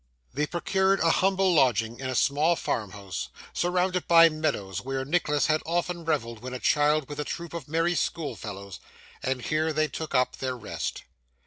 They procured a humble lodging in a small farmhouse, surrounded by meadows where Nicholas had often revelled when a child with a troop of merry schoolfellows; and here they took up their rest.